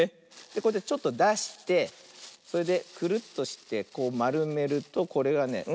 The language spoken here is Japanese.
こうやってちょっとだしてそれでクルッとしてこうまるめるとこれがね